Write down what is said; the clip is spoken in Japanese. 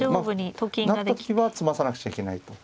まあ成った時は詰まさなくちゃいけないと。